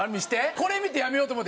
これ見て辞めようと思って。